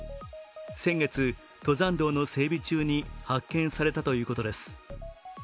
先月、登山道の整備中に発見されたということです。